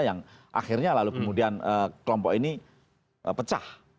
yang akhirnya lalu kemudian kelompok ini pecah